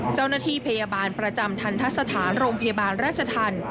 เจ้าหน้าที่พยาบาลประจำทันทะสถานโรงพยาบาลราชธรรม